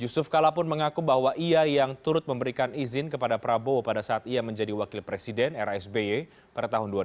yusuf kala pun mengaku bahwa ia yang turut memberikan izin kepada prabowo pada saat ia menjadi wakil presiden rasby pada tahun dua ribu empat